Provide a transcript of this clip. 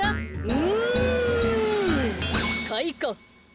うんかいか。